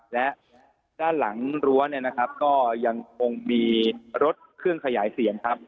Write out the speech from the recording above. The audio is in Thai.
และด้านหลังรั้วเนี่ยนะครับก็ยังคงมีรถเครื่องขยายเสียงครับ